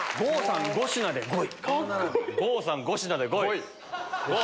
郷さん５品で５位。